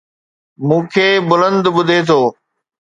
مون کي بلند ٻڌي ٿو